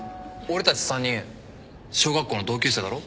俺たち３人小学校の同級生だろ。